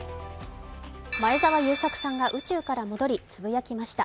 前澤友作さんが宇宙から戻りつぶやきました。